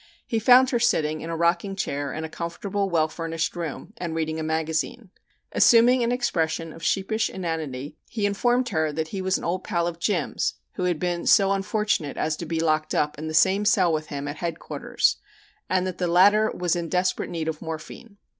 He found her sitting in a rocking chair in a comfortable, well furnished room, and reading a magazine. Assuming an expression of sheepish inanity he informed her that he was an old pal of "Jim's" who had been so unfortunate as to be locked up in the same cell with him at Headquarters, and that the latter was in desperate need of morphine.